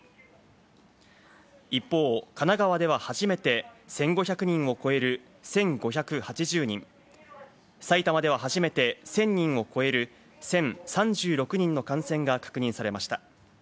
一方、神奈川では初めて１５００人を超える１５８０人、埼玉では初めて１０００人を超える１０３６人の感染が確認されました。